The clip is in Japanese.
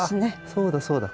そうだそうだ。